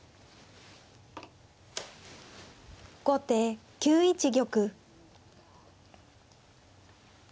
後手９一玉。